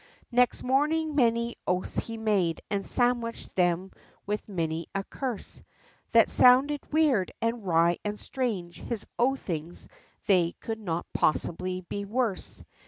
Next morning many oaths he made, and sandwiched them with many a curse, That sounded weird, and wry, and strange; his oathings they could not possibly be worse.